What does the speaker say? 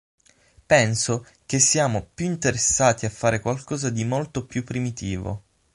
Penso che siamo più interessati a fare qualcosa di molto più primitivo.